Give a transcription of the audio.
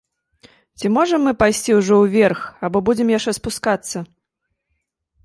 Ці можам мы пайсці ўжо ўверх, або будзем яшчэ спускацца?